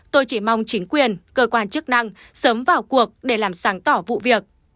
tôi chỉ mong chính quyền cơ quan chức năng sớm vào cuộc để làm sáng tỏ vụ việc